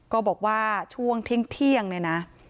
บอกว่าช่วงเที่ยงเนี่ยนะ